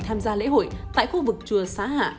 tham gia lễ hội tại khu vực chùa xá hạ